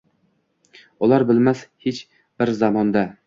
Ular bilmas, hech bir zamonda